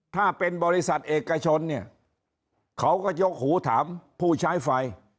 ถ้าเป็นบริษัทเอกชนเนี่ยเขาก็ยกหูถามผู้ใช้ไฟ